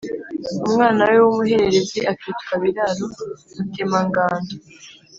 Umwana we w’ umuhererezi akitwa Biraro Mutemangando